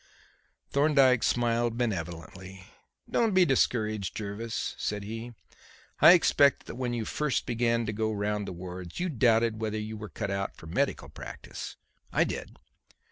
Thorndyke smiled benevolently. "Don't be discouraged, Jervis," said he. "I expect that when you first began to go round the wards, you doubted whether you were cut out for medical practice. I did.